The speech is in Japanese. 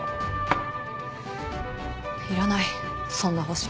いらないそんな保身。